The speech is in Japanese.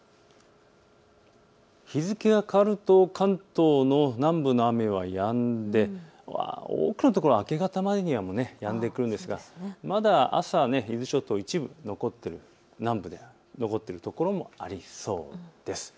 日付が変わると関東の南部の雨はやんで多くの所は明け方までにはやんでくるのですがまだ朝、伊豆諸島は一部残っている、南部では残っている所もありそうです。